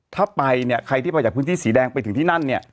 ถ้าไปใครที่ไปจากพื้นที่สีแดงไปถึงที่นั่น